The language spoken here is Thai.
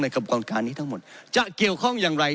กระบวนการนี้ทั้งหมดจะเกี่ยวข้องอย่างไร